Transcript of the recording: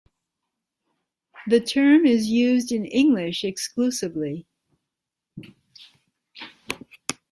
The term is used in English exclusively.